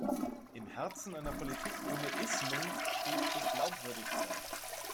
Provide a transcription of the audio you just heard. Im Herzen einer Politik ohne "Ismen" steht die Glaubwürdigkeit.